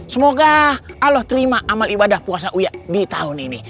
semoga allah terima amal ibadah puasa di tahun ini